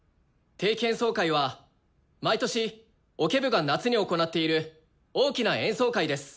定期演奏会は毎年オケ部が夏に行っている大きな演奏会です。